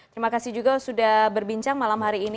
terima kasih juga sudah berbincang malam hari ini